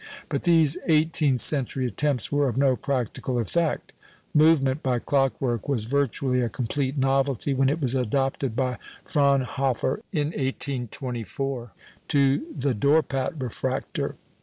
But these eighteenth century attempts were of no practical effect. Movement by clockwork was virtually a complete novelty when it was adopted by Fraunhofer in 1824 to the Dorpat refractor.